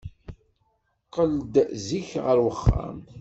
Qqel-d zik ɣer uxxam.